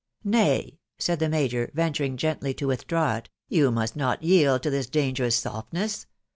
" Nay," said the major, venturing gently to withdraw it, " you must not yield to this dangerous softness.